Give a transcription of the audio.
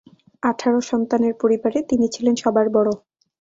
আঠারো সন্তানের পরিবারে তিনি ছিলেন সবার বড়।